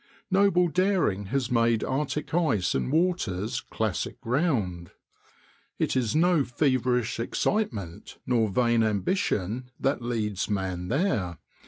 Noble daring has made Arctic ice and waters classic ground. It is no feverish excitement nor vain ambition that leads man there.